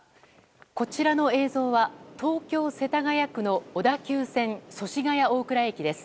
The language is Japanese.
こちらの映像は東京・世田谷区の小田急線祖師ヶ谷大蔵駅です。